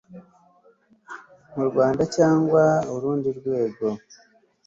mu rwanda cyangwa urundi rwego